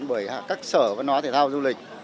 bởi các sở văn hóa thể thao du lịch